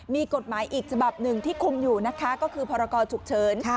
มีกฎหมายอีกฉบับหนึ่งที่คุมอยู่นะคะก็คือพรกรฉุกเฉิน